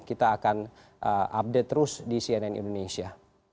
kita akan update terus di cnn indonesia